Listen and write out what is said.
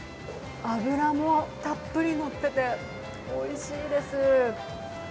脂もたっぷり乗っていて、おいしいです。